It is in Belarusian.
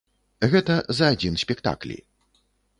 Гэта за адзін спектаклі.